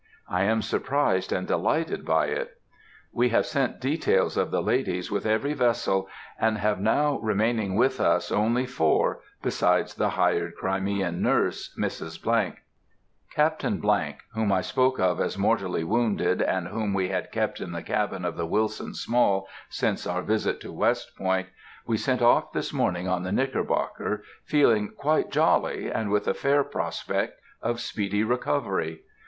I am surprised and delighted by it. We have sent details of the ladies with every vessel, and have now remaining with us only four, besides the hired Crimean nurse, Mrs. ——. Captain ——, whom I spoke of as mortally wounded, and whom we had kept in the cabin of the Wilson Small since our visit to West Point, we sent off this morning on the Knickerbocker feeling quite jolly and with a fair prospect of speedy recovery.